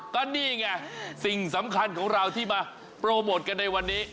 ก็นี่ไงสิ่งสำคัญของเราที่มาโปรโมทกันในวันนี้